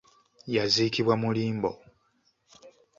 Yaziikibwa mu limbo.